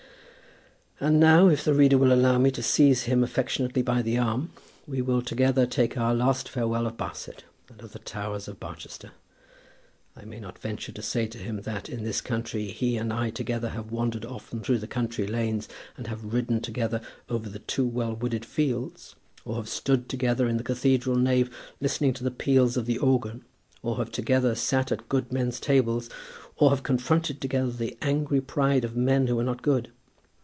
And now, if the reader will allow me to seize him affectionately by the arm, we will together take our last farewell of Barset and of the towers of Barchester. I may not venture to say to him that, in this country, he and I together have wandered often through the country lanes, and have ridden together over the too well wooded fields, or have stood together in the cathedral nave listening to the peals of the organ, or have together sat at good men's tables, or have confronted together the angry pride of men who were not good.